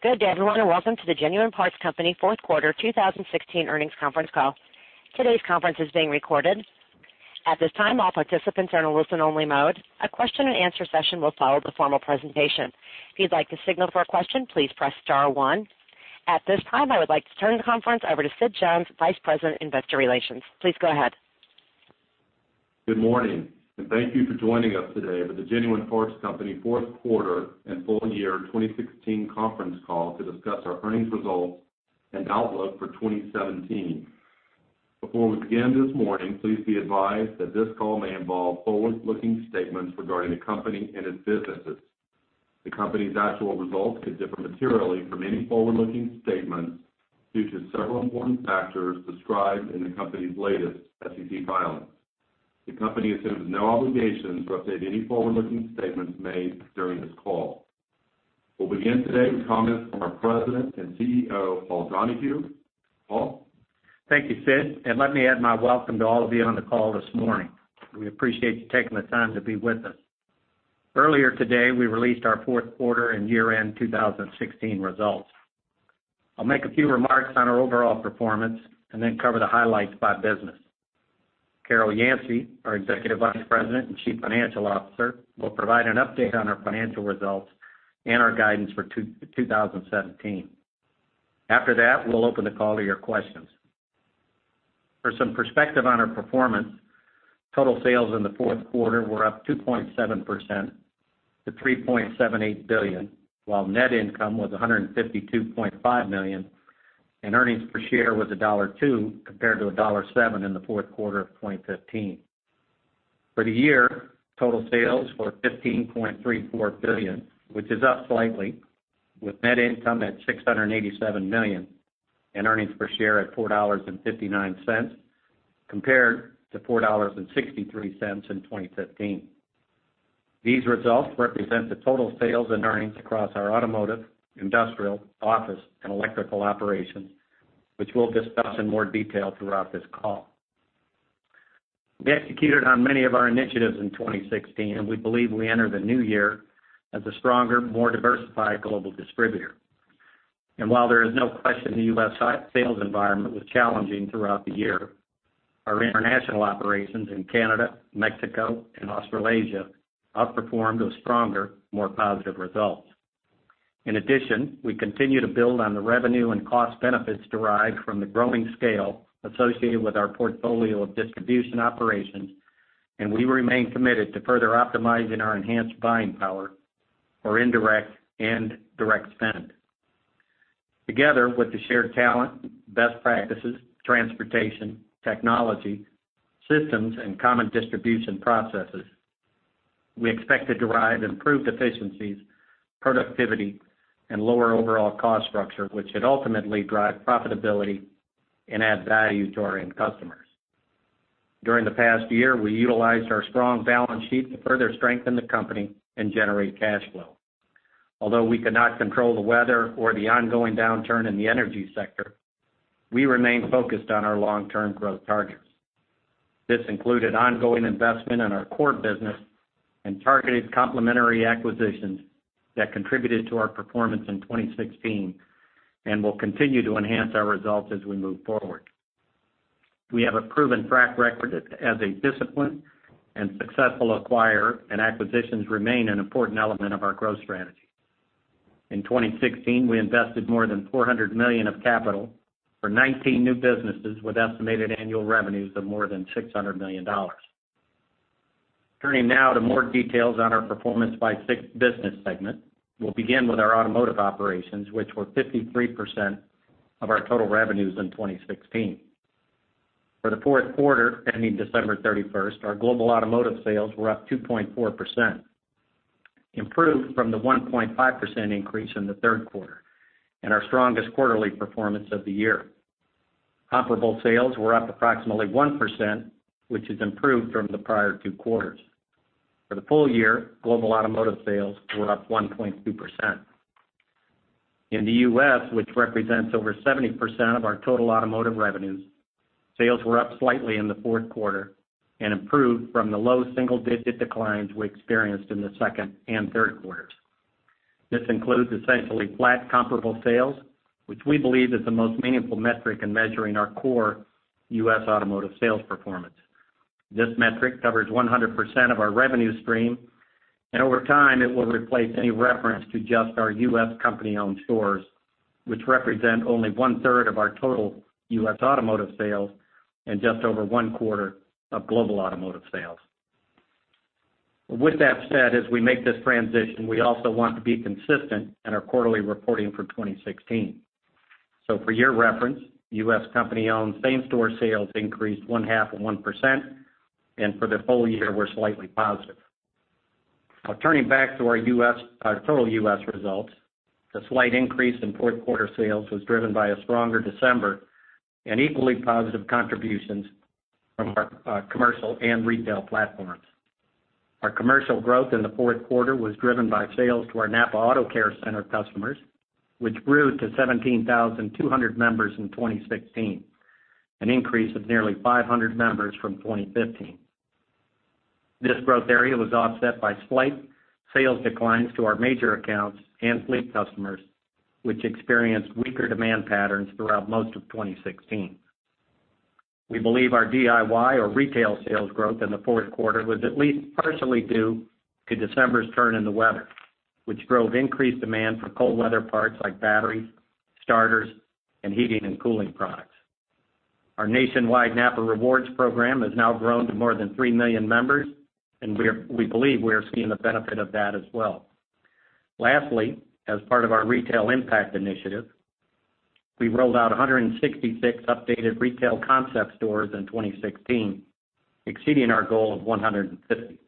Good day, everyone, and welcome to the Genuine Parts Company fourth quarter 2016 earnings conference call. Today's conference is being recorded. At this time, all participants are in a listen-only mode. A question and answer session will follow the formal presentation. If you'd like to signal for a question, please press star one. At this time, I would like to turn the conference over to Sid Jones, Vice President Investor Relations. Please go ahead. Good morning, thank you for joining us today for the Genuine Parts Company fourth quarter and full year 2016 conference call to discuss our earnings results and outlook for 2017. Before we begin this morning, please be advised that this call may involve forward-looking statements regarding the company and its businesses. The company's actual results could differ materially from any forward-looking statements due to several important factors described in the company's latest SEC filings. The company assumes no obligation to update any forward-looking statements made during this call. We'll begin today with comments from our President and CEO, Paul Donahue. Paul? Thank you, Sid, let me add my welcome to all of you on the call this morning. We appreciate you taking the time to be with us. Earlier today, we released our fourth quarter and year-end 2016 results. I'll make a few remarks on our overall performance and then cover the highlights by business. Carol Yancey, our Executive Vice President and Chief Financial Officer, will provide an update on our financial results and our guidance for 2017. After that, we'll open the call to your questions. For some perspective on our performance, total sales in the fourth quarter were up 2.7% to $3.78 billion, while net income was $152.5 million, and earnings per share was $1.02 compared to $1.07 in the fourth quarter of 2015. For the year, total sales were $15.34 billion, which is up slightly, with net income at $687 million and earnings per share at $4.59 compared to $4.63 in 2015. These results represent the total sales and earnings across our automotive, industrial, office, and electrical operations, which we'll discuss in more detail throughout this call. We executed on many of our initiatives in 2016, we believe we enter the new year as a stronger, more diversified global distributor. While there is no question the U.S. sales environment was challenging throughout the year, our international operations in Canada, Mexico, and Australasia outperformed with stronger, more positive results. In addition, we continue to build on the revenue and cost benefits derived from the growing scale associated with our portfolio of distribution operations, and we remain committed to further optimizing our enhanced buying power for indirect and direct spend. Together with the shared talent, best practices, transportation, technology, systems, and common distribution processes, we expect to derive improved efficiencies, productivity, and lower overall cost structure, which should ultimately drive profitability and add value to our end customers. During the past year, we utilized our strong balance sheet to further strengthen the company and generate cash flow. Although we could not control the weather or the ongoing downturn in the energy sector, we remain focused on our long-term growth targets. This included ongoing investment in our core business and targeted complementary acquisitions that contributed to our performance in 2016 and will continue to enhance our results as we move forward. We have a proven track record as a disciplined and successful acquirer, and acquisitions remain an important element of our growth strategy. In 2016, we invested more than $400 million of capital for 19 new businesses with estimated annual revenues of more than $600 million. Turning now to more details on our performance by business segment. We will begin with our automotive operations, which were 53% of our total revenues in 2016. For the fourth quarter ending December 31st, our global automotive sales were up 2.4%, improved from the 1.5% increase in the third quarter and our strongest quarterly performance of the year. Comparable sales were up approximately 1%, which is improved from the prior two quarters. For the full year, global automotive sales were up 1.2%. In the U.S., which represents over 70% of our total automotive revenues, sales were up slightly in the fourth quarter and improved from the low single-digit declines we experienced in the second and third quarters. This includes essentially flat comparable sales, which we believe is the most meaningful metric in measuring our core U.S. automotive sales performance. This metric covers 100% of our revenue stream, and over time, it will replace any reference to just our U.S. company-owned stores, which represent only one-third of our total U.S. automotive sales and just over one-quarter of global automotive sales. With that said, as we make this transition, we also want to be consistent in our quarterly reporting for 2016. For your reference, U.S. company-owned same-store sales increased one-half of 1%, and for the full year, were slightly positive. Turning back to our total U.S. results, the slight increase in fourth quarter sales was driven by a stronger December and equally positive contributions from our commercial and retail platforms. Our commercial growth in the fourth quarter was driven by sales to our NAPA AutoCare Center customers, which grew to 17,200 members in 2016, an increase of nearly 500 members from 2015. This growth area was offset by slight sales declines to our Major Accounts and fleet customers, which experienced weaker demand patterns throughout most of 2016. We believe our DIY or retail sales growth in the fourth quarter was at least partially due to December's turn in the weather, which drove increased demand for cold weather parts like batteries, starters, and heating and cooling products. Our nationwide NAPA Rewards program has now grown to more than 3 million members, and we believe we are seeing the benefit of that as well. Lastly, as part of our Retail Impact Initiative, we rolled out 166 updated retail concept stores in 2016, exceeding our goal of 150.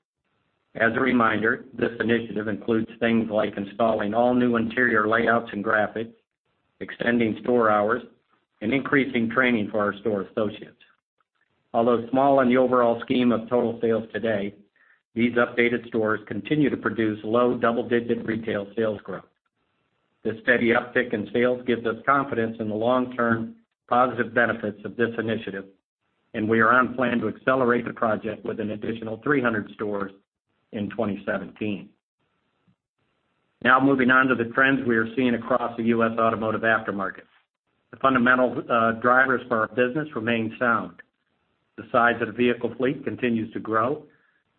As a reminder, this initiative includes things like installing all new interior layouts and graphics, extending store hours, and increasing training for our store associates. Although small in the overall scheme of total sales today, these updated stores continue to produce low double-digit retail sales growth. This steady uptick in sales gives us confidence in the long-term positive benefits of this initiative, and we are on plan to accelerate the project with an additional 300 stores in 2017. Moving on to the trends we are seeing across the U.S. automotive aftermarket. The fundamental drivers for our business remain sound. The size of the vehicle fleet continues to grow.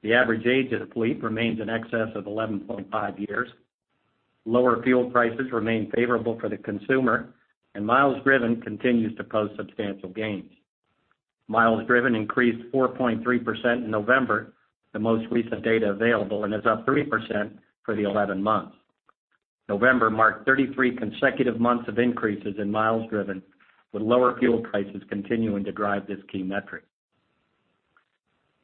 The average age of the fleet remains in excess of 11.5 years. Lower fuel prices remain favorable for the consumer, and miles driven continues to post substantial gains. Miles driven increased 4.3% in November, the most recent data available, and is up 3% for the 11 months. November marked 33 consecutive months of increases in miles driven, with lower fuel prices continuing to drive this key metric.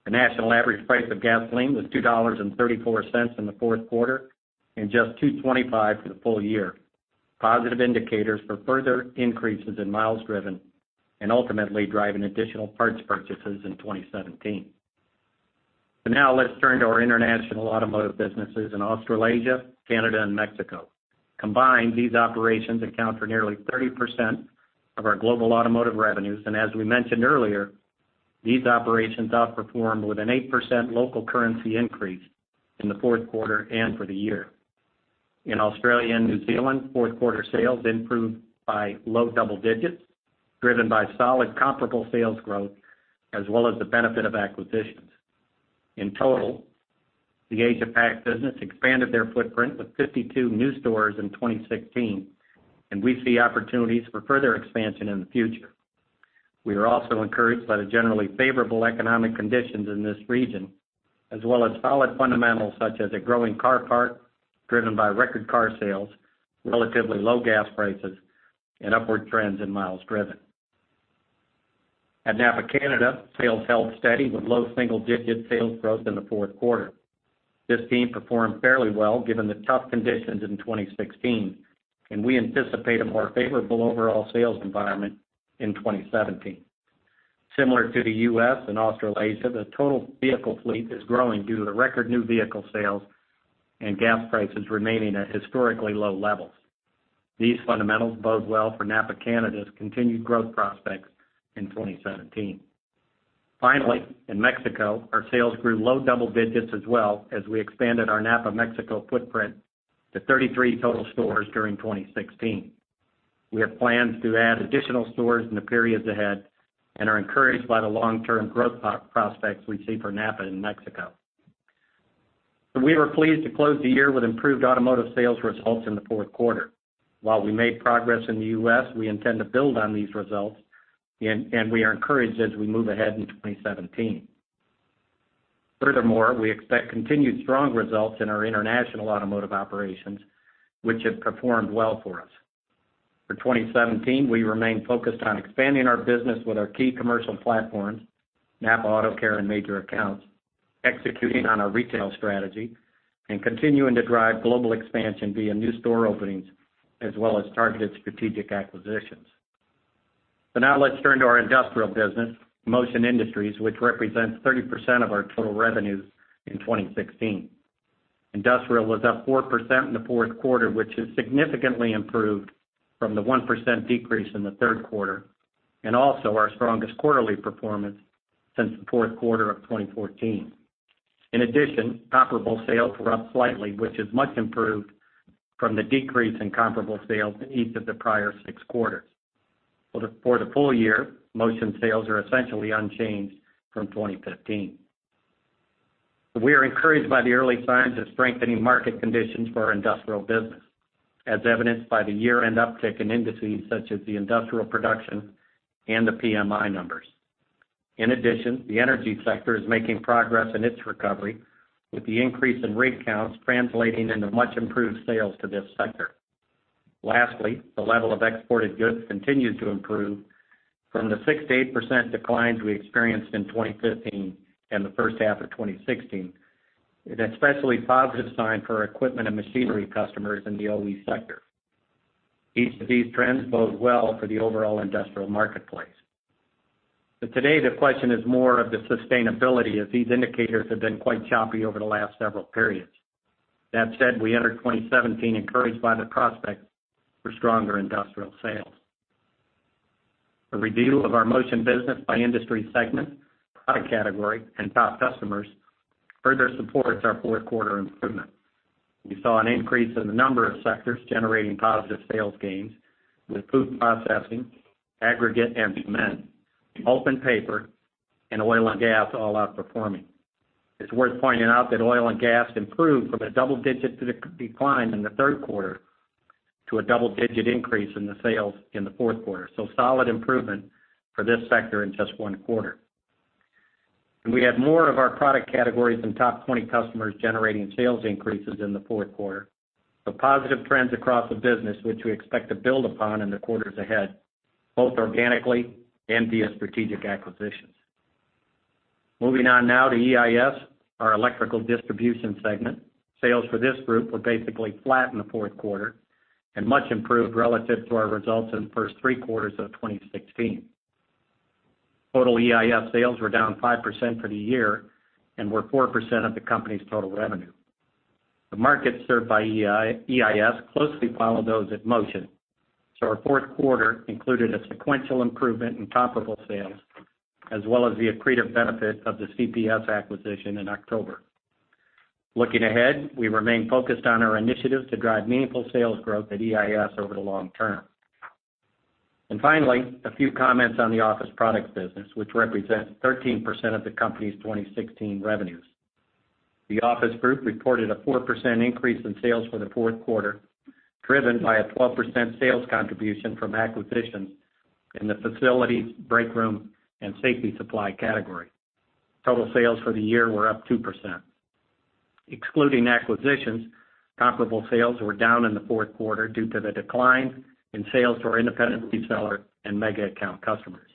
The national average price of gasoline was $2.34 in the fourth quarter, and just $2.25 for the full year. Positive indicators for further increases in miles driven and ultimately driving additional parts purchases in 2017. Let's turn to our international automotive businesses in Australasia, Canada, and Mexico. Combined, these operations account for nearly 30% of our global automotive revenues, and as we mentioned earlier, these operations outperformed with an 8% local currency increase in the fourth quarter and for the year. In Australia and New Zealand, fourth quarter sales improved by low double digits, driven by solid comparable sales growth as well as the benefit of acquisitions. In total, the Asia Pac business expanded their footprint with 52 new stores in 2016, and we see opportunities for further expansion in the future. We are also encouraged by the generally favorable economic conditions in this region, as well as solid fundamentals such as a growing car park driven by record car sales, relatively low gas prices, and upward trends in miles driven. At NAPA Canada, sales held steady with low single-digit sales growth in the fourth quarter. This team performed fairly well given the tough conditions in 2016, and we anticipate a more favorable overall sales environment in 2017. Similar to the U.S. and Australasia, the total vehicle fleet is growing due to the record new vehicle sales and gas prices remaining at historically low levels. These fundamentals bode well for NAPA Canada's continued growth prospects in 2017. Finally, in Mexico, our sales grew low double digits as well as we expanded our NAPA Mexico footprint to 33 total stores during 2016. We have plans to add additional stores in the periods ahead and are encouraged by the long-term growth prospects we see for NAPA in Mexico. We were pleased to close the year with improved automotive sales results in the fourth quarter. While we made progress in the U.S., we intend to build on these results, and we are encouraged as we move ahead into 2017. Furthermore, we expect continued strong results in our international automotive operations, which have performed well for us. For 2017, we remain focused on expanding our business with our key commercial platforms, NAPA AutoCare and Major Accounts, executing on our retail strategy, and continuing to drive global expansion via new store openings as well as targeted strategic acquisitions. Now let's turn to our industrial business, Motion Industries, which represents 30% of our total revenues in 2016. Industrial was up 4% in the fourth quarter, which is significantly improved from the 1% decrease in the third quarter and also our strongest quarterly performance since the fourth quarter of 2014. In addition, comparable sales were up slightly, which is much improved from the decrease in comparable sales in each of the prior six quarters. For the full year, Motion sales are essentially unchanged from 2015. We are encouraged by the early signs of strengthening market conditions for our industrial business, as evidenced by the year-end uptick in indices such as the industrial production and the PMI numbers. In addition, the energy sector is making progress in its recovery, with the increase in rig counts translating into much improved sales to this sector. Lastly, the level of exported goods continues to improve from the 6%-8% declines we experienced in 2015 and the first half of 2016. It is an especially positive sign for our equipment and machinery customers in the OE sector. Each of these trends bode well for the overall industrial marketplace. Today, the question is more of the sustainability, as these indicators have been quite choppy over the last several periods. That said, we enter 2017 encouraged by the prospect for stronger industrial sales. A review of our Motion business by industry segment, product category, and top customers further supports our fourth quarter improvement. We saw an increase in the number of sectors generating positive sales gains, with food processing, aggregate and cement, pulp and paper, and oil and gas all outperforming. It's worth pointing out that oil and gas improved from a double-digit decline in the third quarter to a double-digit increase in the sales in the fourth quarter. Solid improvement for this sector in just one quarter. We had more of our product categories and top 20 customers generating sales increases in the fourth quarter. Positive trends across the business, which we expect to build upon in the quarters ahead, both organically and via strategic acquisitions. Moving on now to EIS, our Electrical Distribution segment. Sales for this group were basically flat in the fourth quarter and much improved relative to our results in the first three quarters of 2016. Total EIS sales were down 5% for the year and were 4% of the company's total revenue. The markets served by EIS closely follow those at Motion, our fourth quarter included a sequential improvement in comparable sales, as well as the accretive benefit of the CPS acquisition in October. Looking ahead, we remain focused on our initiatives to drive meaningful sales growth at EIS over the long term. Finally, a few comments on the Office Products business, which represents 13% of the company's 2016 revenues. The Office group reported a 4% increase in sales for the fourth quarter, driven by a 12% sales contribution from acquisitions in the facilities, breakroom, and safety supply category. Total sales for the year were up 2%. Excluding acquisitions, comparable sales were down in the fourth quarter due to the decline in sales to our independent reseller and mega account customers.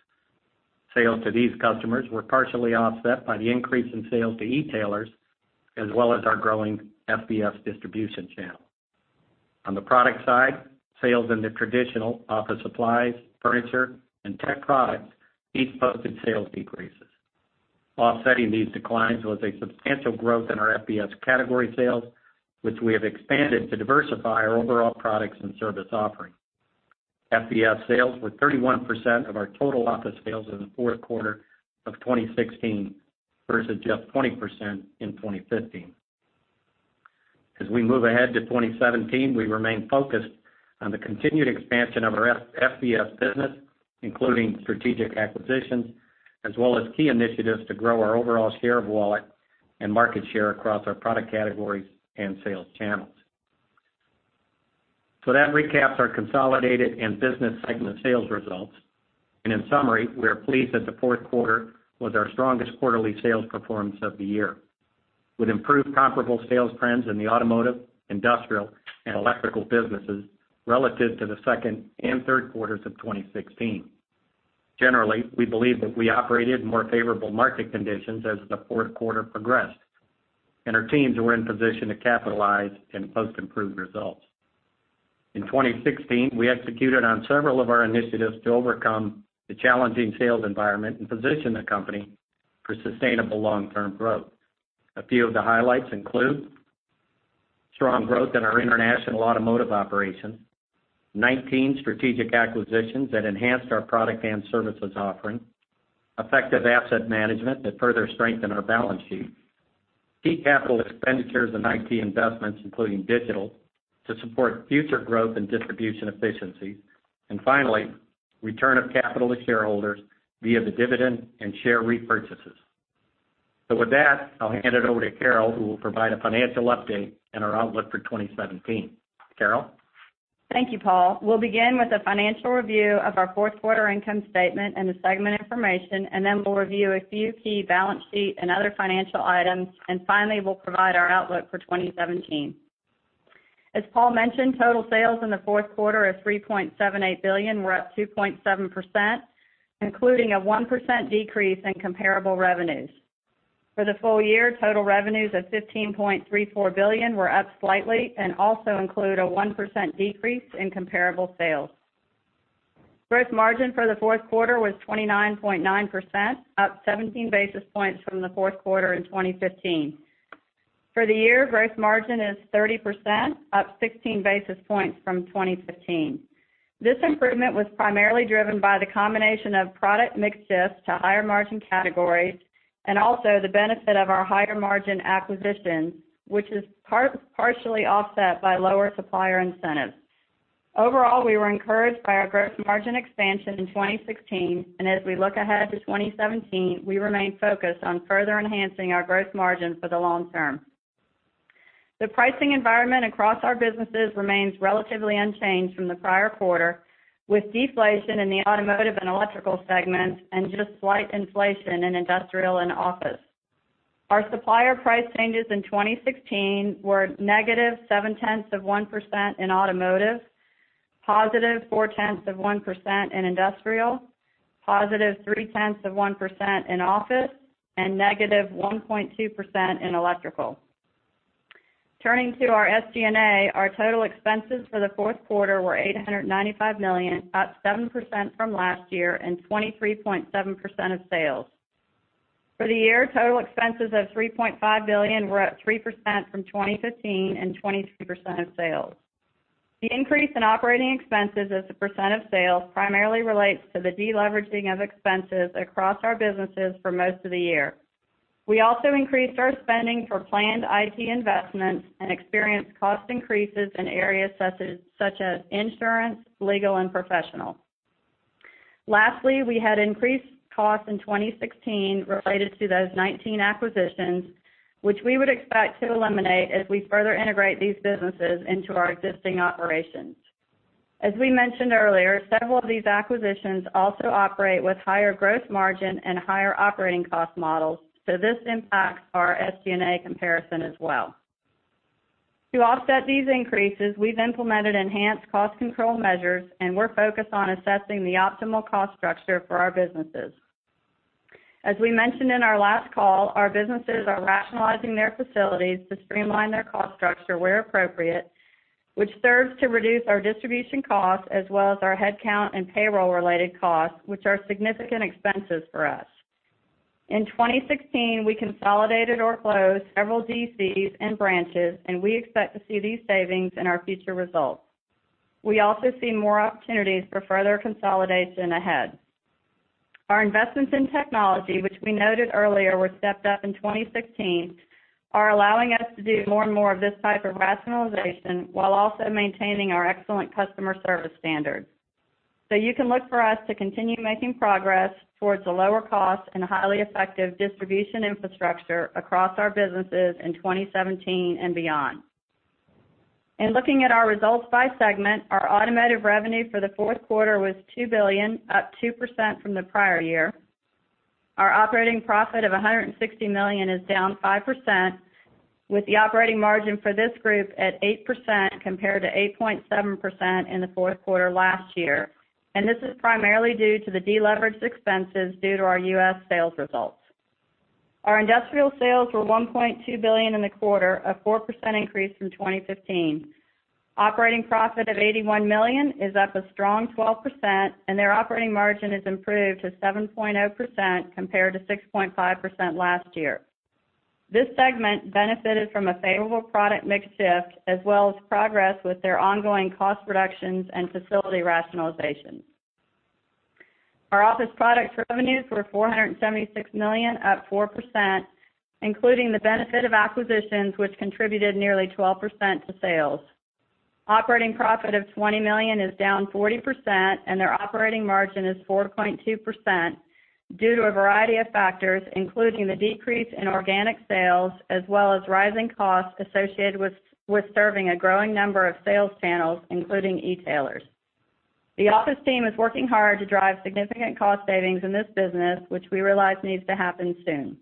Sales to these customers were partially offset by the increase in sales to e-tailers, as well as our growing FBS distribution channel. On the product side, sales in the traditional office supplies, furniture, and tech products each posted sales decreases. Offsetting these declines was a substantial growth in our FBS category sales, which we have expanded to diversify our overall products and service offering. FBS sales were 31% of our total office sales in the fourth quarter of 2016 versus just 20% in 2015. As we move ahead to 2017, we remain focused on the continued expansion of our FBS business, including strategic acquisitions, as well as key initiatives to grow our overall share of wallet and market share across our product categories and sales channels. That recaps our consolidated and business segment sales results. In summary, we are pleased that the fourth quarter was our strongest quarterly sales performance of the year. We've improved comparable sales trends in the automotive, industrial, and electrical businesses relative to the second and third quarters of 2016. Generally, we believe that we operated in more favorable market conditions as the fourth quarter progressed, and our teams were in position to capitalize and post improved results. In 2016, we executed on several of our initiatives to overcome the challenging sales environment and position the company for sustainable long-term growth. A few of the highlights include strong growth in our international automotive operations, 19 strategic acquisitions that enhanced our product and services offering, effective asset management that further strengthened our balance sheet, key capital expenditures and IT investments, including digital, to support future growth and distribution efficiency, and finally, return of capital to shareholders via the dividend and share repurchases. With that, I'll hand it over to Carol, who will provide a financial update and our outlook for 2017. Carol? Thank you, Paul. We'll begin with a financial review of our fourth quarter income statement and the segment information, and then we'll review a few key balance sheet and other financial items, and finally, we'll provide our outlook for 2017. As Paul mentioned, total sales in the fourth quarter of $3.78 billion were up 2.7%, including a 1% decrease in comparable revenues. For the full year, total revenues of $15.34 billion were up slightly and also include a 1% decrease in comparable sales. Gross margin for the fourth quarter was 29.9%, up 17 basis points from the fourth quarter in 2015. For the year, gross margin is 30%, up 16 basis points from 2015. This improvement was primarily driven by the combination of product mix shift to higher margin categories, and also the benefit of our higher margin acquisitions, which is partially offset by lower supplier incentives. Overall, we were encouraged by our gross margin expansion in 2016. As we look ahead to 2017, we remain focused on further enhancing our gross margin for the long term. The pricing environment across our businesses remains relatively unchanged from the prior quarter, with deflation in the automotive and electrical segments and just slight inflation in industrial and office. Our supplier price changes in 2016 were negative 0.7% in automotive, positive 0.4% in industrial, positive 0.3% in office, and negative 1.2% in electrical. Turning to our SG&A, our total expenses for the fourth quarter were $895 million, up 7% from last year and 23.7% of sales. For the year, total expenses of $3.5 billion were up 3% from 2015 and 23% of sales. The increase in operating expenses as a % of sales primarily relates to the deleveraging of expenses across our businesses for most of the year. We also increased our spending for planned IT investments and experienced cost increases in areas such as insurance, legal, and professional. Lastly, we had increased costs in 2016 related to those 19 acquisitions, which we would expect to eliminate as we further integrate these businesses into our existing operations. As we mentioned earlier, several of these acquisitions also operate with higher gross margin and higher operating cost models, this impacts our SG&A comparison as well. To offset these increases, we've implemented enhanced cost control measures. We're focused on assessing the optimal cost structure for our businesses. As we mentioned in our last call, our businesses are rationalizing their facilities to streamline their cost structure where appropriate, which serves to reduce our distribution costs as well as our headcount and payroll-related costs, which are significant expenses for us. In 2016, we consolidated or closed several DCs and branches. We expect to see these savings in our future results. We also see more opportunities for further consolidation ahead. Our investments in technology, which we noted earlier were stepped up in 2016, are allowing us to do more and more of this type of rationalization while also maintaining our excellent customer service standards. You can look for us to continue making progress towards a lower cost and a highly effective distribution infrastructure across our businesses in 2017 and beyond. In looking at our results by segment, our automotive revenue for the fourth quarter was $2 billion, up 2% from the prior year. Our operating profit of $160 million is down 5%, with the operating margin for this group at 8% compared to 8.7% in the fourth quarter last year. This is primarily due to the deleveraged expenses due to our U.S. sales results. Our industrial sales were $1.2 billion in the quarter, a 4% increase from 2015. Operating profit of $81 million is up a strong 12%. Their operating margin has improved to 7.0% compared to 6.5% last year. This segment benefited from a favorable product mix shift as well as progress with their ongoing cost reductions and facility rationalizations. Our office products revenues were $476 million, up 4%, including the benefit of acquisitions which contributed nearly 12% to sales. Operating profit of $20 million is down 40%, and their operating margin is 4.2% due to a variety of factors, including the decrease in organic sales, as well as rising costs associated with serving a growing number of sales channels, including e-tailers. The office team is working hard to drive significant cost savings in this business, which we realize needs to happen soon.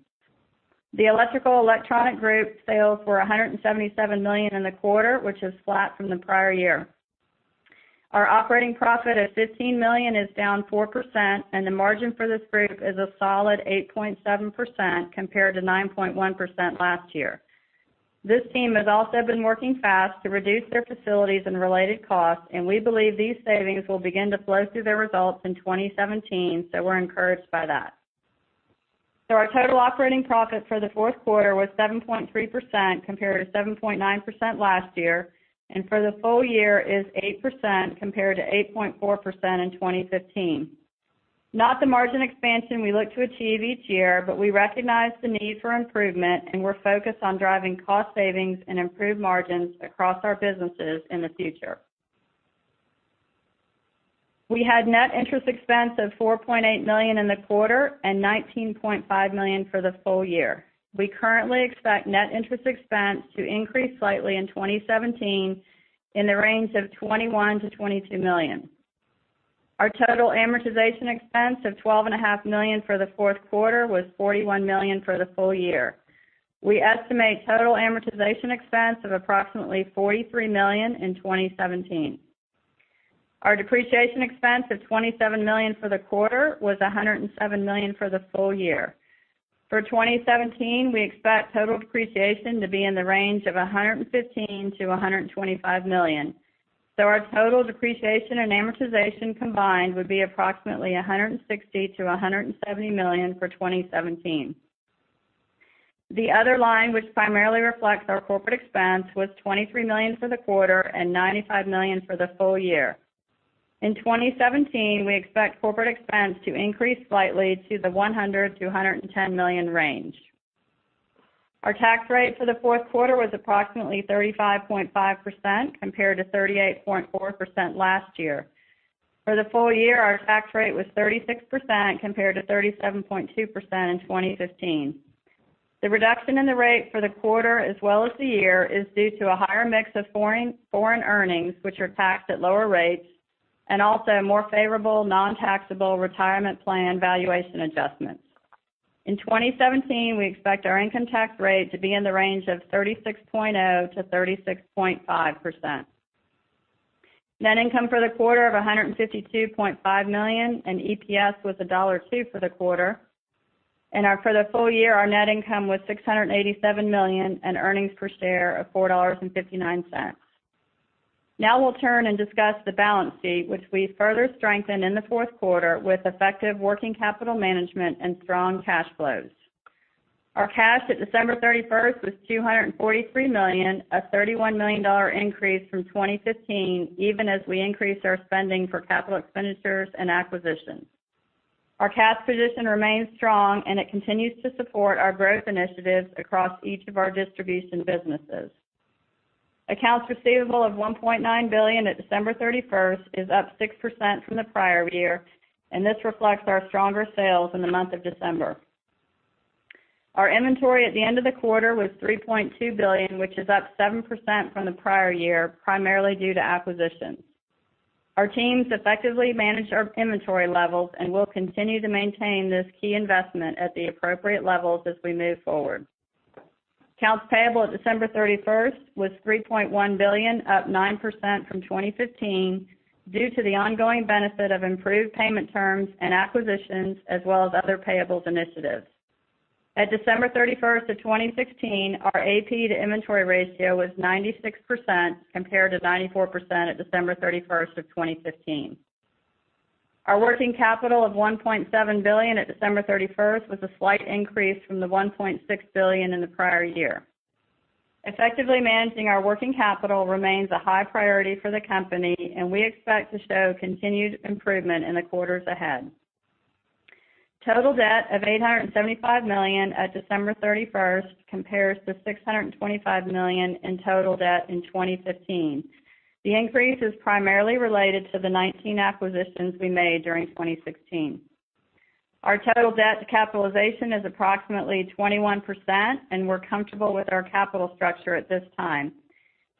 The Electrical/Electronic Group sales were $177 million in the quarter, which is flat from the prior year. Our operating profit of $15 million is down 4%, and the margin for this group is a solid 8.7% compared to 9.1% last year. This team has also been working fast to reduce their facilities and related costs, and we believe these savings will begin to flow through their results in 2017. We're encouraged by that. Our total operating profit for the fourth quarter was 7.3% compared to 7.9% last year, and for the full year is 8% compared to 8.4% in 2015. Not the margin expansion we look to achieve each year, but we recognize the need for improvement, and we're focused on driving cost savings and improved margins across our businesses in the future. We had net interest expense of $4.8 million in the quarter and $19.5 million for the full year. We currently expect net interest expense to increase slightly in 2017 in the range of $21 million-$22 million. Our total amortization expense of $12.5 million for the fourth quarter was $41 million for the full year. We estimate total amortization expense of approximately $43 million in 2017. Our depreciation expense of $27 million for the quarter was $107 million for the full year. For 2017, we expect total depreciation to be in the range of $115 million-$125 million. Our total depreciation and amortization combined would be approximately $160 million-$170 million for 2017. The other line, which primarily reflects our corporate expense, was $23 million for the quarter and $95 million for the full year. In 2017, we expect corporate expense to increase slightly to the $100 million-$110 million range. Our tax rate for the fourth quarter was approximately 35.5% compared to 38.4% last year. For the full year, our tax rate was 36% compared to 37.2% in 2015. The reduction in the rate for the quarter as well as the year is due to a higher mix of foreign earnings, which are taxed at lower rates, and also more favorable non-taxable retirement plan valuation adjustments. In 2017, we expect our income tax rate to be in the range of 36.0%-36.5%. Net income for the quarter of $152.5 million, and EPS was $1.02 for the quarter. For the full year, our net income was $687 million and earnings per share of $4.59. We'll turn and discuss the balance sheet, which we further strengthened in the fourth quarter with effective working capital management and strong cash flows. Our cash at December 31st was $243 million, a $31 million increase from 2015, even as we increased our spending for capital expenditures and acquisitions. Our cash position remains strong, and it continues to support our growth initiatives across each of our distribution businesses. Accounts receivable of $1.9 billion at December 31st is up 6% from the prior year, and this reflects our stronger sales in the month of December. Our inventory at the end of the quarter was $3.2 billion, which is up 7% from the prior year, primarily due to acquisitions. Our teams effectively managed our inventory levels and will continue to maintain this key investment at the appropriate levels as we move forward. Accounts payable at December 31st was $3.1 billion, up 9% from 2015 due to the ongoing benefit of improved payment terms and acquisitions as well as other payables initiatives. At December 31st of 2016, our AP to inventory ratio was 96% compared to 94% at December 31st of 2015. Our working capital of $1.7 billion at December 31st was a slight increase from the $1.6 billion in the prior year. Effectively managing our working capital remains a high priority for the company, and we expect to show continued improvement in the quarters ahead. Total debt of $875 million at December 31st compares to $625 million in total debt in 2015. The increase is primarily related to the 19 acquisitions we made during 2016. Our total debt to capitalization is approximately 21%, and we're comfortable with our capital structure at this time.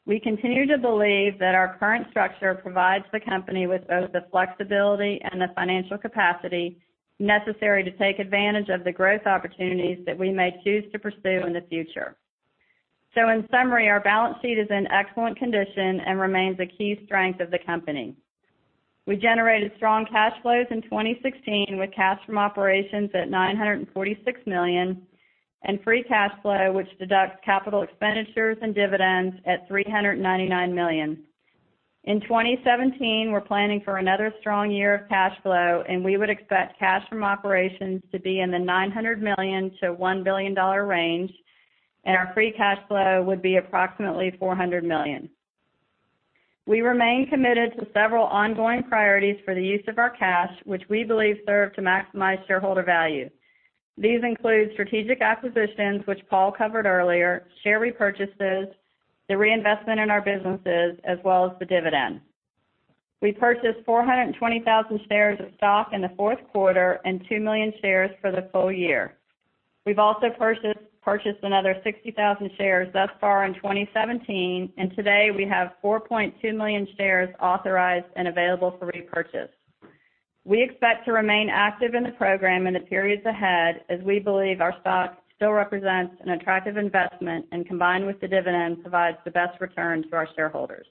We continue to believe that our current structure provides the company with both the flexibility and the financial capacity necessary to take advantage of the growth opportunities that we may choose to pursue in the future. In summary, our balance sheet is in excellent condition and remains a key strength of the company. We generated strong cash flows in 2016, with cash from operations at $946 million and free cash flow, which deducts capital expenditures and dividends, at $399 million. In 2017, we're planning for another strong year of cash flow, and we would expect cash from operations to be in the $900 million to $1 billion range, and our free cash flow would be approximately $400 million. We remain committed to several ongoing priorities for the use of our cash, which we believe serve to maximize shareholder value. These include strategic acquisitions, which Paul covered earlier, share repurchases, the reinvestment in our businesses, as well as the dividend. We purchased 420,000 shares of stock in the fourth quarter and 2 million shares for the full year. We've also purchased another 60,000 shares thus far in 2017, and today we have 4.2 million shares authorized and available for repurchase. We expect to remain active in the program in the periods ahead as we believe our stock still represents an attractive investment and combined with the dividend, provides the best return to our shareholders.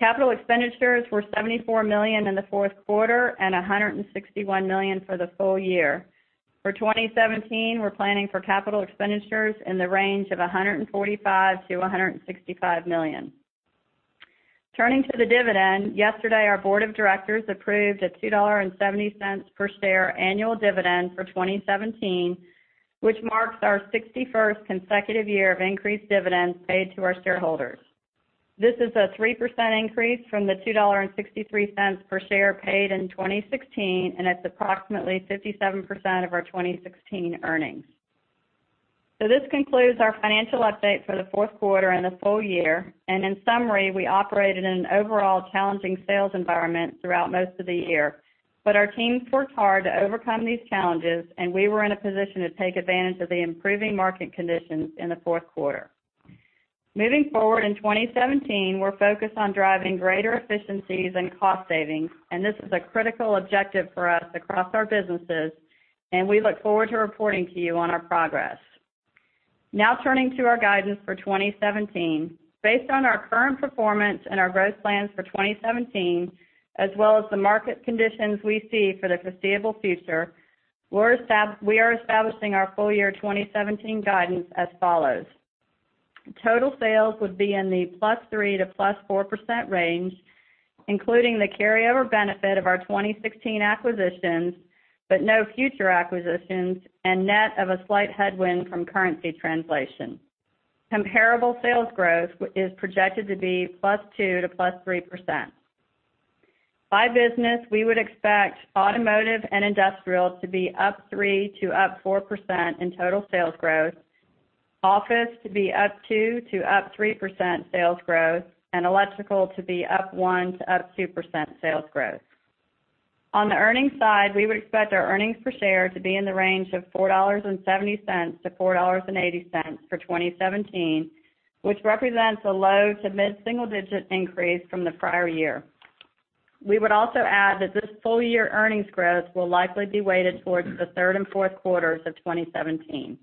Capital expenditures were $74 million in the fourth quarter and $161 million for the full year. For 2017, we're planning for capital expenditures in the range of $145 million to $165 million. Turning to the dividend, yesterday, our board of directors approved a $2.70 per share annual dividend for 2017, which marks our 61st consecutive year of increased dividends paid to our shareholders. This is a 3% increase from the $2.63 per share paid in 2016, and it's approximately 57% of our 2016 earnings. This concludes our financial update for the fourth quarter and the full year. In summary, we operated in an overall challenging sales environment throughout most of the year. Our teams worked hard to overcome these challenges. We were in a position to take advantage of the improving market conditions in the fourth quarter. Moving forward in 2017, we're focused on driving greater efficiencies and cost savings. This is a critical objective for us across our businesses. We look forward to reporting to you on our progress. Turning to our guidance for 2017. Based on our current performance and our growth plans for 2017, as well as the market conditions we see for the foreseeable future, we are establishing our full year 2017 guidance as follows. Total sales would be in the +3% to +4% range, including the carryover benefit of our 2016 acquisitions, no future acquisitions and net of a slight headwind from currency translation. Comparable sales growth is projected to be +2% to +3%. By business, we would expect automotive and industrial to be up 3%-4% in total sales growth, office to be up 2%-3% sales growth, electrical to be up 1%-2% sales growth. On the earnings side, we would expect our EPS to be in the range of $4.70-$4.80 for 2017, which represents a low to mid-single-digit increase from the prior year. We would also add that this full year earnings growth will likely be weighted towards the third and fourth quarters of 2017.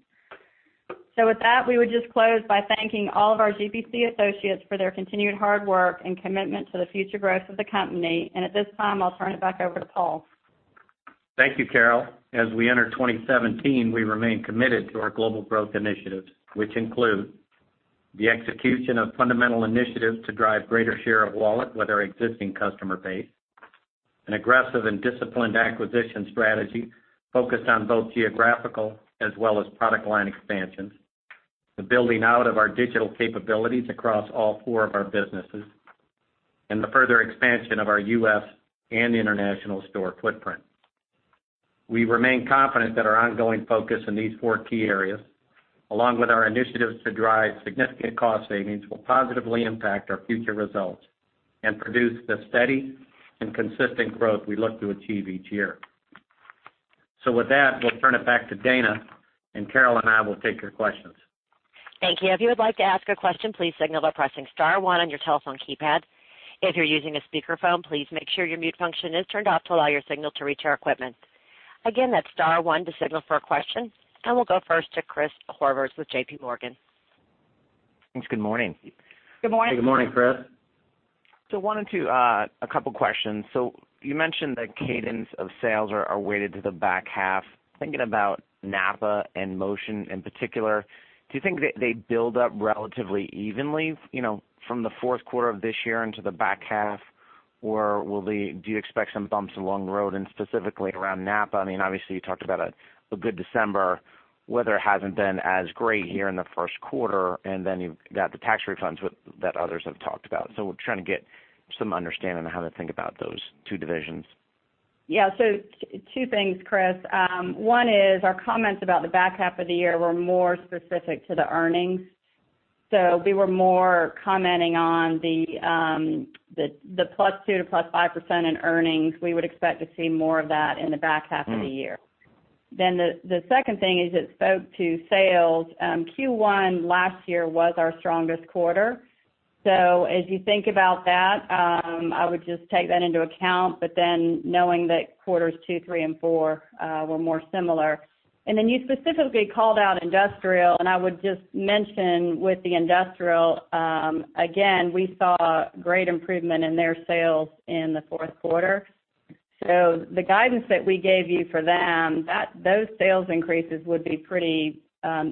With that, we would just close by thanking all of our GPC associates for their continued hard work and commitment to the future growth of the company. At this time, I'll turn it back over to Paul. Thank you, Carol. As we enter 2017, we remain committed to our global growth initiatives, which include the execution of fundamental initiatives to drive greater share of wallet with our existing customer base, an aggressive and disciplined acquisition strategy focused on both geographical as well as product line expansions, the building out of our digital capabilities across all four of our businesses, the further expansion of our U.S. and international store footprint. We remain confident that our ongoing focus in these four key areas, along with our initiatives to drive significant cost savings, will positively impact our future results and produce the steady and consistent growth we look to achieve each year. With that, we'll turn it back to Dana. Carol and I will take your questions. Thank you. If you would like to ask a question, please signal by pressing star one on your telephone keypad. If you're using a speakerphone, please make sure your mute function is turned off to allow your signal to reach our equipment. Again, that's star one to signal for a question. We'll go first to Chris Horvers with JPMorgan. Thanks. Good morning. Good morning. Good morning, Chris. A couple of questions. You mentioned the cadence of sales are weighted to the back half. Thinking about NAPA and Motion in particular, do you think that they build up relatively evenly from the fourth quarter of this year into the back half? Do you expect some bumps along the road? Specifically around NAPA, I mean, obviously, you talked about a good December. Weather hasn't been as great here in the first quarter, and then you've got the tax refunds that others have talked about. We're trying to get some understanding on how to think about those two divisions. Two things, Chris. One is our comments about the back half of the year were more specific to the earnings. We were more commenting on the +2% to +5% in earnings. We would expect to see more of that in the back half of the year. The second thing is it spoke to sales. Q1 last year was our strongest quarter. As you think about that, I would just take that into account, knowing that quarters 2, 3, and 4 were more similar. You specifically called out industrial, I would just mention with the industrial, again, we saw great improvement in their sales in the fourth quarter. The guidance that we gave you for them, those sales increases would be pretty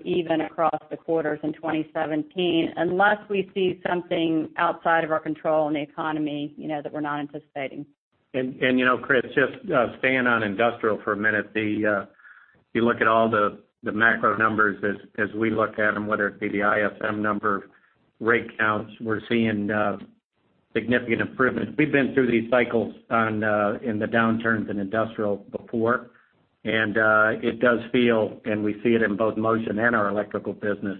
even across the quarters in 2017, unless we see something outside of our control in the economy that we're not anticipating. Chris, just staying on industrial for a minute, you look at all the macro numbers as we look at them, whether it be the ISM number, rig counts, we're seeing significant improvement. We've been through these cycles in the downturns in industrial before, it does feel, we see it in both Motion and our electrical business,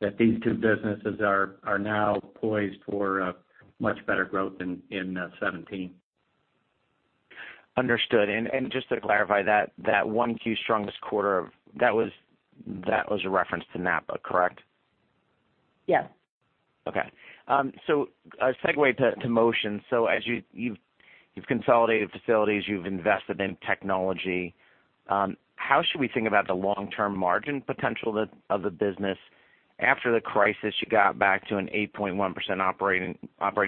that these two businesses are now poised for much better growth in 2017. Understood. Just to clarify, that 1Q strongest quarter, that was a reference to NAPA, correct? Yes. Okay. A segue to Motion. As you've consolidated facilities, you've invested in technology, how should we think about the long-term margin potential of the business? After the crisis, you got back to an 8.1% operating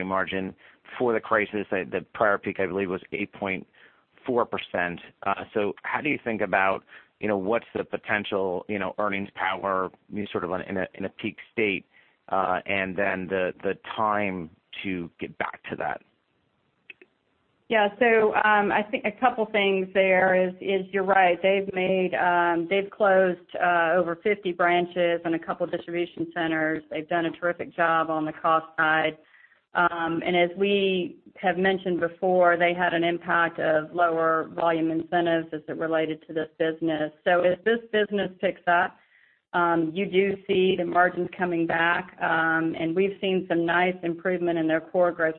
margin. Before the crisis, the prior peak, I believe, was 8.4%. How do you think about what's the potential earnings power sort of in a peak state, and then the time to get back to that? Yeah. I think a couple of things there is you're right. They've closed over 50 branches and a couple of distribution centers. They've done a terrific job on the cost side. As we have mentioned before, they had an impact of lower volume incentives as it related to this business. As this business picks up, you do see the margins coming back, and we've seen some nice improvement in their core gross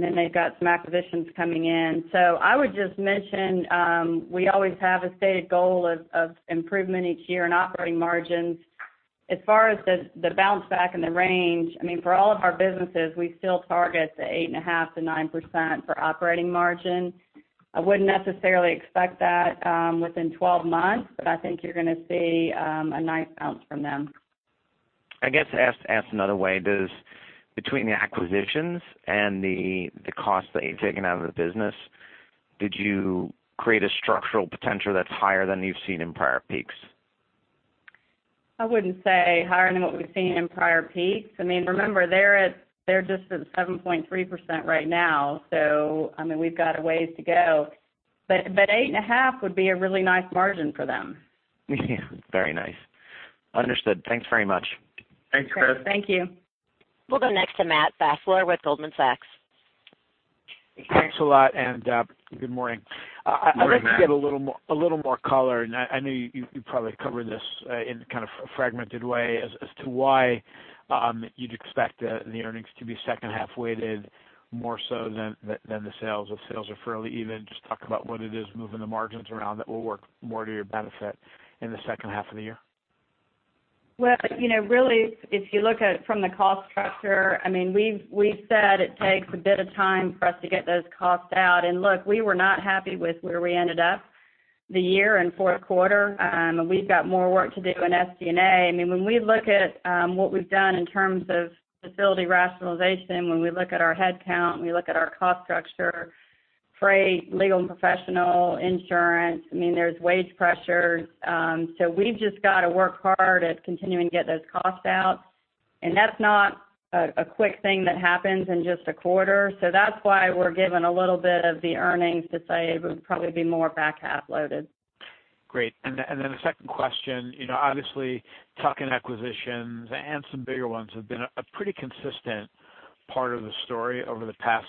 profit. They've got some acquisitions coming in. I would just mention, we always have a stated goal of improvement each year in operating margins. As far as the bounce back and the range, I mean, for all of our businesses, we still target the 8.5%-9% for operating margin. I wouldn't necessarily expect that within 12 months, but I think you're going to see a nice bounce from them. I guess asked another way, between the acquisitions and the cost that you've taken out of the business, did you create a structural potential that's higher than you've seen in prior peaks? I wouldn't say higher than what we've seen in prior peaks. I mean, remember, they're just at 7.3% right now, I mean, we've got a ways to go. 8.5% would be a really nice margin for them. Very nice. Understood. Thanks very much. Thanks, Chris. Thank you. We'll go next to Matt Fassler with Goldman Sachs. Thanks a lot, good morning. Morning, Matt. I'd like to get a little more color, I know you probably covered this in kind of a fragmented way as to why you'd expect the earnings to be second half-weighted more so than the sales. If sales are fairly even, just talk about what it is moving the margins around that will work more to your benefit in the second half of the year. Well, really, if you look at it from the cost structure, I mean, we've said it takes a bit of time for us to get those costs out. Look, we were not happy with where we ended up the year and fourth quarter, we've got more work to do in SG&A. When we look at what we've done in terms of facility rationalization, when we look at our headcount, we look at our cost structure, freight, legal and professional, insurance, there's wage pressures. We've just got to work hard at continuing to get those costs out. That's not a quick thing that happens in just a quarter. That's why we're giving a little bit of the earnings to say it would probably be more back-half loaded. Great. The second question. Obviously, tuck-in acquisitions and some bigger ones have been a pretty consistent part of the story over the past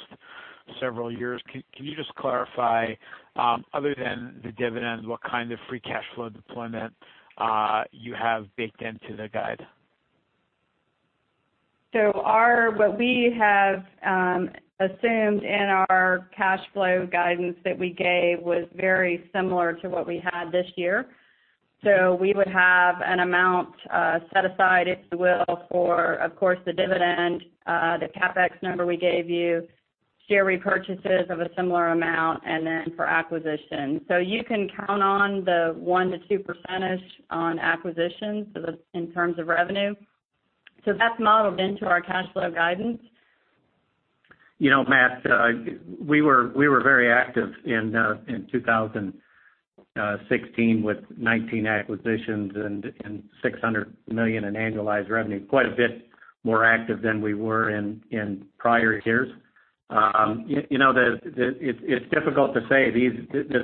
several years. Can you just clarify, other than the dividend, what kind of free cash flow deployment you have baked into the guide? What we have assumed in our cash flow guidance that we gave was very similar to what we had this year. We would have an amount set aside, if you will, for, of course, the dividend, the CapEx number we gave you, share repurchases of a similar amount, and then for acquisition. You can count on the 1%-2% on acquisitions in terms of revenue. That's modeled into our cash flow guidance. Matt, we were very active in 2016 with 19 acquisitions and $600 million in annualized revenue, quite a bit more active than we were in prior years. It's difficult to say. This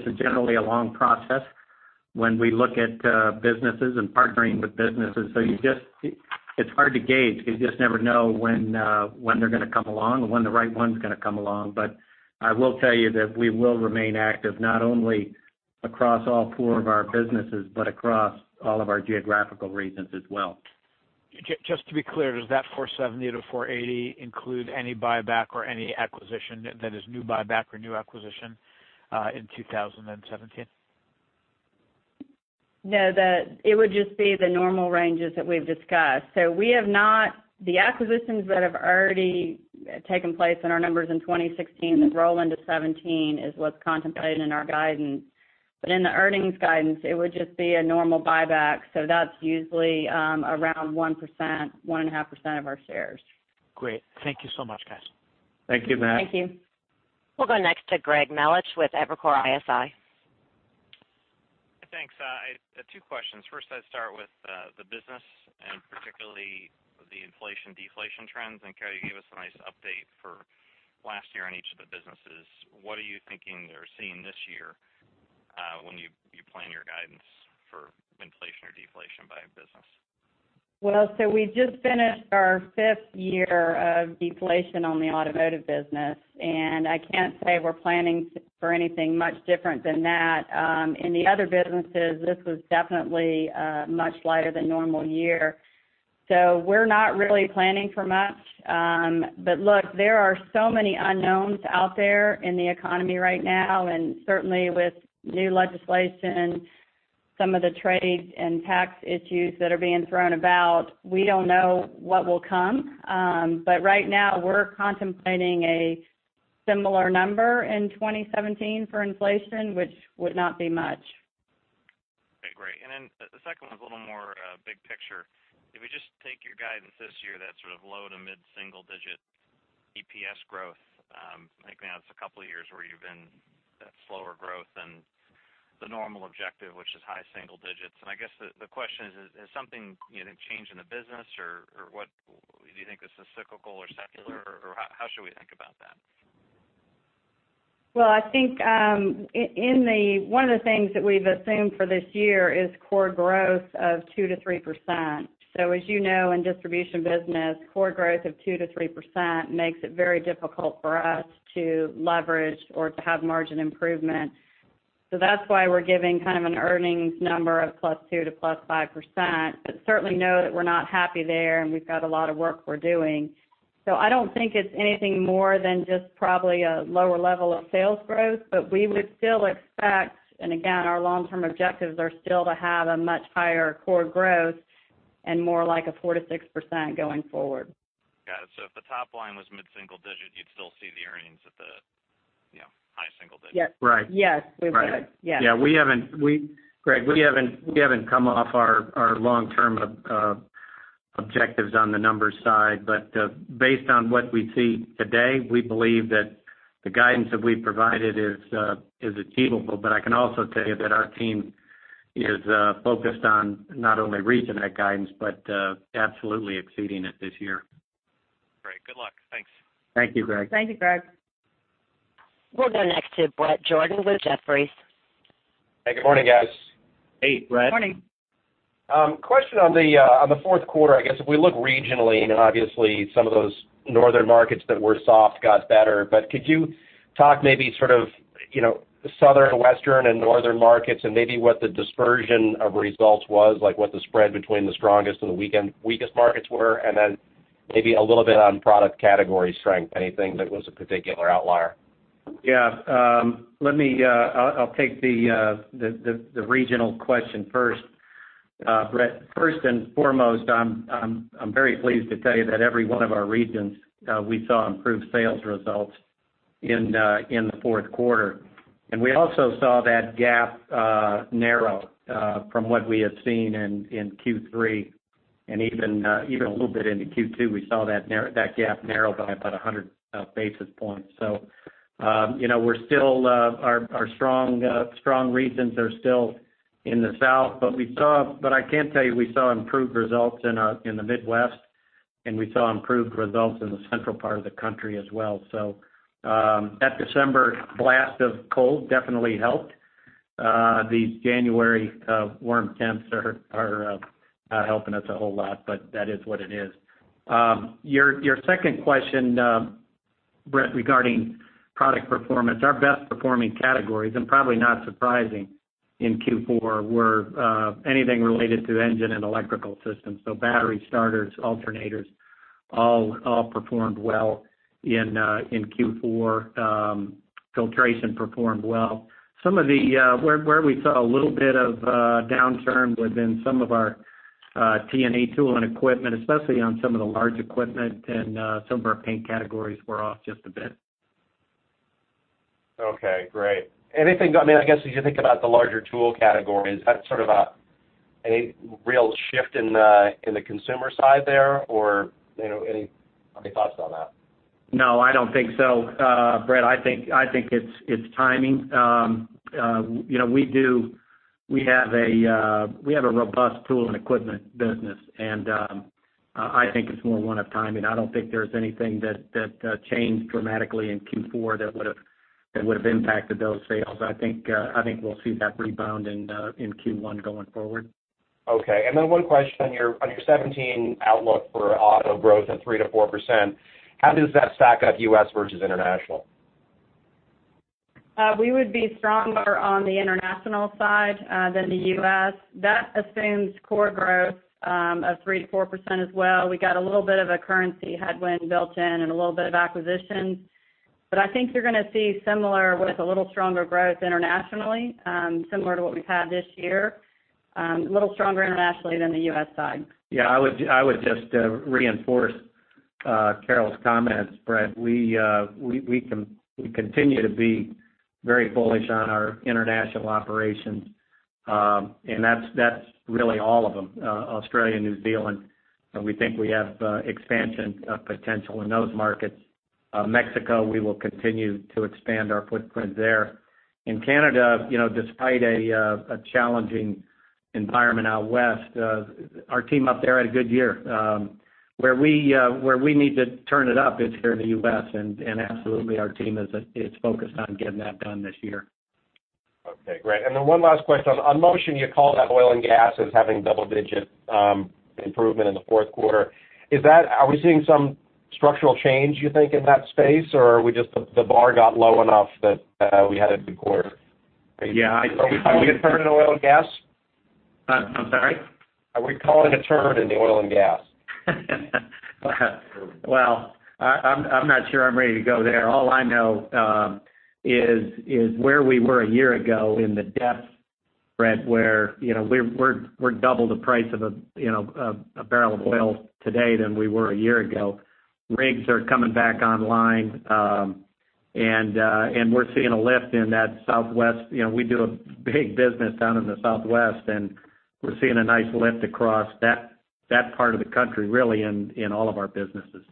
is generally a long process when we look at businesses and partnering with businesses. It's hard to gauge because you just never know when they're going to come along or when the right one's going to come along. I will tell you that we will remain active, not only across all four of our businesses, but across all of our geographical regions as well. Just to be clear, does that $470-$480 include any buyback or any acquisition that is new buyback or new acquisition in 2017? No, it would just be the normal ranges that we've discussed. The acquisitions that have already taken place in our numbers in 2016 that roll into 2017 is what's contemplated in our guidance. In the earnings guidance, it would just be a normal buyback. That's usually around 1%, 1.5% of our shares. Great. Thank you so much, guys. Thank you, Matt. Thank you. We'll go next to Greg Melich with Evercore ISI. Thanks. Two questions. First, I'd start with the business and particularly the inflation deflation trends. Carol, you gave us a nice update for last year on each of the businesses. What are you thinking or seeing this year when you plan your guidance for inflation or deflation by business? We just finished our fifth year of deflation on the automotive business. I can't say we're planning for anything much different than that. In the other businesses, this was definitely a much lighter than normal year. We're not really planning for much. Look, there are so many unknowns out there in the economy right now, and certainly with new legislation, some of the trade and tax issues that are being thrown about, we don't know what will come. Right now, we're contemplating a similar number in 2017 for inflation, which would not be much. Okay, great. The second one is a little more big picture. If we just take your guidance this year, that sort of low- to mid-single-digit EPS growth, I think now it's a couple of years where you've been at slower growth than the normal objective, which is high single digits. I guess the question is, has something changed in the business, or do you think this is cyclical or secular, or how should we think about that? I think one of the things that we've assumed for this year is core growth of 2%-3%. As you know, in distribution business, core growth of 2%-3% makes it very difficult for us to leverage or to have margin improvement. That's why we're giving kind of an earnings number of +2% to +5%, but certainly know that we're not happy there, and we've got a lot of work we're doing. I don't think it's anything more than just probably a lower level of sales growth, but we would still expect, and again, our long-term objectives are still to have a much higher core growth and more like a 4%-6% going forward. Got it. If the top line was mid-single digit, you'd still see the earnings at the high single digit. Yes. Right. Yes, we would. Greg, we haven't come off our long-term objectives on the numbers side. Based on what we see today, we believe that the guidance that we've provided is achievable. I can also tell you that our team is focused on not only reaching that guidance but absolutely exceeding it this year. Great. Good luck. Thanks. Thank you, Greg. Thank you, Greg. We'll go next to Bret Jordan with Jefferies. Hey, good morning, guys. Hey, Bret. Morning. Question on the fourth quarter. I guess if we look regionally and obviously some of those northern markets that were soft got better, but could you talk maybe southern, western, and northern markets and maybe what the dispersion of results was, like what the spread between the strongest and the weakest markets were, and then maybe a little bit on product category strength, anything that was a particular outlier? Yeah. I'll take the regional question first. Bret, first and foremost, I'm very pleased to tell you that every one of our regions, we saw improved sales results in the fourth quarter. We also saw that gap narrow from what we had seen in Q3, and even a little bit into Q2, we saw that gap narrow by about 100 basis points. Our strong regions are still in the South, but I can tell you, we saw improved results in the Midwest, and we saw improved results in the central part of the country as well. That December blast of cold definitely helped. These January warm temps are not helping us a whole lot, but that is what it is. Your second question, Bret, regarding product performance, our best performing categories, and probably not surprising in Q4, were anything related to engine and electrical systems. battery starters, alternators all performed well in Q4. Filtration performed well. Where we saw a little bit of downturn was in some of our T&E tool and equipment, especially on some of the large equipment and some of our paint categories were off just a bit. Okay, great. I guess as you think about the larger tool categories, that's sort of a real shift in the consumer side there, or any thoughts on that? No, I don't think so, Bret. I think it's timing. We have a robust tool and equipment business, and I think it's more one of timing. I don't think there's anything that changed dramatically in Q4 that would've impacted those sales. I think we'll see that rebound in Q1 going forward. Okay. One question on your 2017 outlook for auto growth of 3%-4%, how does that stack up U.S. versus international? We would be stronger on the international side than the U.S. That assumes core growth of 3%-4% as well. We got a little bit of a currency headwind built in and a little bit of acquisition. I think you're going to see similar with a little stronger growth internationally, similar to what we've had this year. A little stronger internationally than the U.S. side. I would just reinforce Carol's comments, Bret. We continue to be very bullish on our international operations. That's really all of them. Australia, New Zealand, we think we have expansion potential in those markets. Mexico, we will continue to expand our footprint there. In Canada, despite a challenging environment out west, our team up there had a good year. Where we need to turn it up is here in the U.S., absolutely our team is focused on getting that done this year. Okay, great. One last question. On Motion, you called out oil and gas as having double-digit improvement in the fourth quarter. Are we seeing some structural change, you think, in that space, or the bar got low enough that we had a good quarter? Yeah. Are we calling a turn in oil and gas? I'm sorry? Are we calling a turn in the oil and gas? Well, I'm not sure I'm ready to go there. All I know is where we were a year ago in the depths, Bret, where we're double the price of a barrel of oil today than we were a year ago. Rigs are coming back online, and we're seeing a lift in that Southwest. We do a big business down in the Southwest, and we're seeing a nice lift across that part of the country, really in all of our businesses.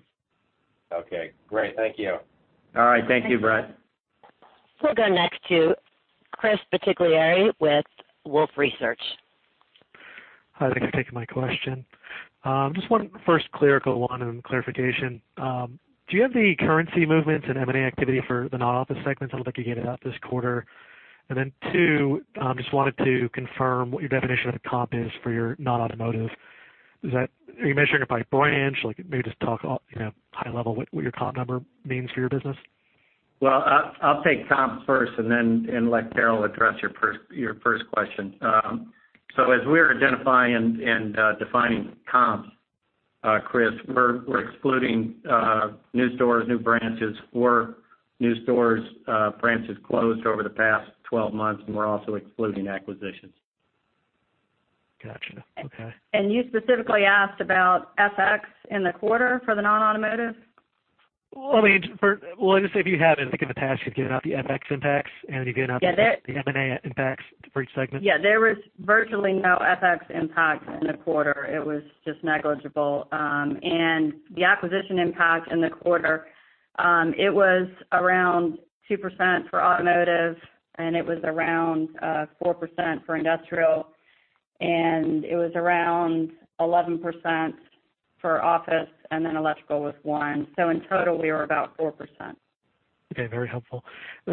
Okay, great. Thank you. All right. Thank you, Bret. We'll go next to Chris Particciari with Wolfe Research. Hi, thanks for taking my question. Just one first clerical one and clarification. Do you have the currency movements and M&A activity for the non-office segments? I'd like to get it out this quarter. Then two, just wanted to confirm what your definition of comp is for your non-automotive. Are you measuring it by branch? Maybe just talk high level what your comp number means for your business. Well, I'll take comps first and let Carol address your first question. As we're identifying and defining comps, Chris, we're excluding new stores, new branches or new stores, branches closed over the past 12 months, and we're also excluding acquisitions. Got you. Okay. You specifically asked about FX in the quarter for the non-automotive? Well, just if you had it. I think in the past you've given out the FX impacts and you've given out. Yes M&A impacts for each segment. There was virtually no FX impact in the quarter. It was just negligible. The acquisition impact in the quarter, it was around 2% for automotive, it was around 4% for industrial, it was around 11% for office, electrical was 1. In total, we were about 4%. Okay, very helpful.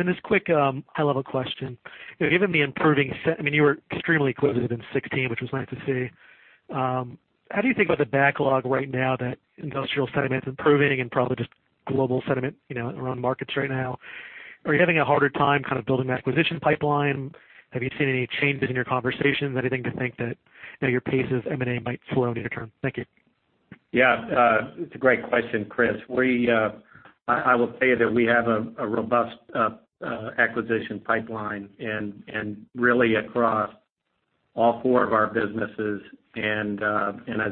Just quick high level question. You were extremely acquisitive in 2016, which was nice to see. How do you think about the backlog right now that industrial sentiment's improving and probably just global sentiment around markets right now? Are you having a harder time kind of building the acquisition pipeline? Have you seen any changes in your conversations? Anything to think that your pace of M&A might slow near-term? Thank you. It's a great question, Chris. I will say that we have a robust acquisition pipeline, really across all four of our businesses, as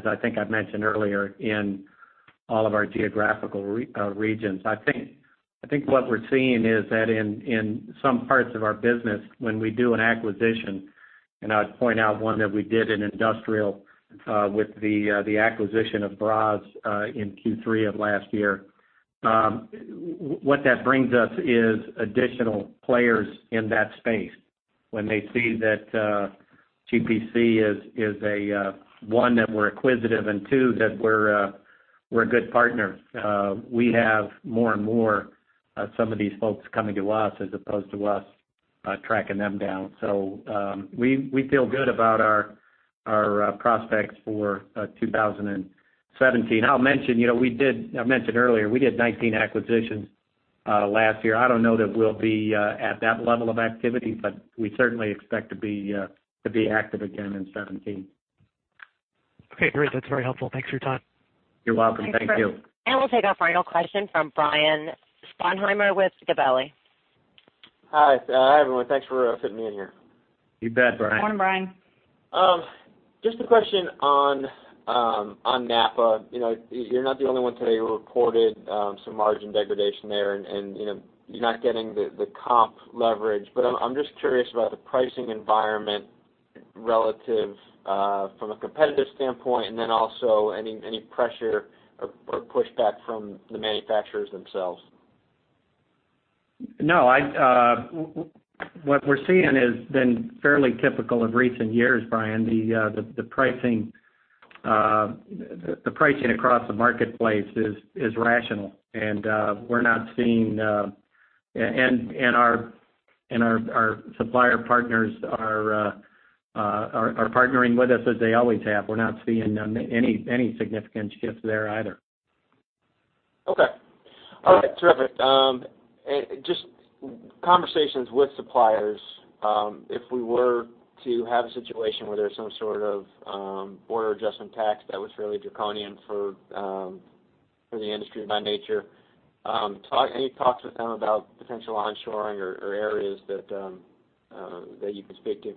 I think I've mentioned earlier, in all of our geographical regions. I think what we're seeing is that in some parts of our business, when we do an acquisition, I would point out one that we did in industrial with the acquisition of Braas in Q3 of last year. What that brings us is additional players in that space. When they see that GPC is, one, that we're acquisitive, and two, that we're a good partner. We have more and more some of these folks coming to us as opposed to us tracking them down. We feel good about our prospects for 2017. I mentioned earlier, we did 19 acquisitions last year. I don't know that we'll be at that level of activity, we certainly expect to be active again in 2017. Okay, great. That's very helpful. Thanks for your time. You're welcome. Thank you. We'll take our final question from Brian Sponheimer with Gabelli. Hi. Everyone, thanks for fitting me in here. You bet, Brian. Morning, Brian. Just a question on NAPA. You're not the only one today who reported some margin degradation there, you're not getting the comp leverage. I'm just curious about the pricing environment relative from a competitive standpoint, then also any pressure or pushback from the manufacturers themselves. No, what we're seeing has been fairly typical of recent years, Brian. The pricing across the marketplace is rational, and our supplier partners are partnering with us as they always have. We're not seeing any significant shifts there either. Okay. All right, terrific. Just conversations with suppliers, if we were to have a situation where there's some sort of border adjustment tax that was really draconian for the industry by nature, any talks with them about potential onshoring or areas that you can speak to?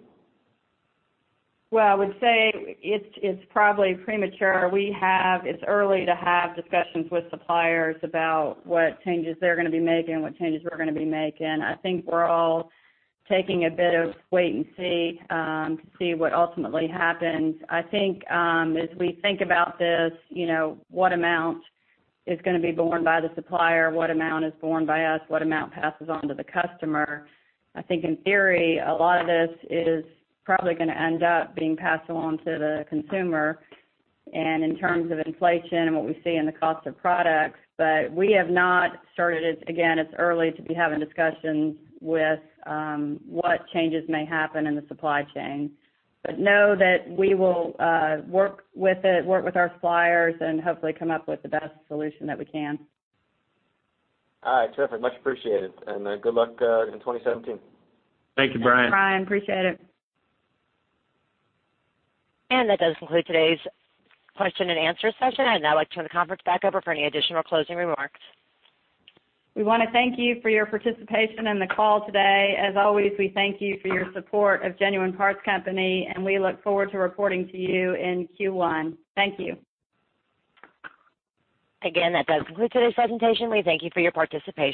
Well, I would say it's probably premature. It's early to have discussions with suppliers about what changes they're going to be making, what changes we're going to be making. I think we're all taking a bit of wait and see to see what ultimately happens. I think, as we think about this, what amount is going to be borne by the supplier, what amount is borne by us, what amount passes on to the customer. I think in theory, a lot of this is probably going to end up being passed along to the consumer, and in terms of inflation and what we see in the cost of products. We have not started it. Again, it's early to be having discussions with what changes may happen in the supply chain. Know that we will work with it, work with our suppliers, and hopefully come up with the best solution that we can. All right, terrific. Much appreciated, and good luck in 2017. Thank you, Brian. Thanks, Brian, appreciate it. That does conclude today's question and answer session. I'd now like to turn the conference back over for any additional closing remarks. We want to thank you for your participation in the call today. As always, we thank you for your support of Genuine Parts Company, and we look forward to reporting to you in Q1. Thank you. That does conclude today's presentation. We thank you for your participation.